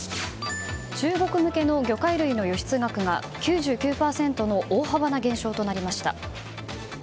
中国向けの魚介類の輸出額が９９％の大幅な減少となりました。